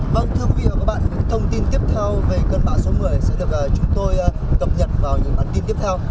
vâng thưa quý vị và các bạn những thông tin tiếp theo về cơn bão số một mươi sẽ được chúng tôi cập nhật vào những bản tin tiếp theo